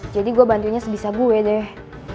jadi gue bantuinya sebisa gue deh